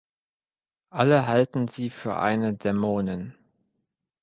Alle halten sie für eine Dämonin.